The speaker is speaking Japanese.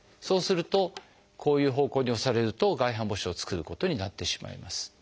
そうするとこういう方向に押されると外反母趾を作ることになってしまいます。